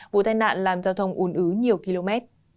vụ tai nạn làm giao thông un ứ nhiều km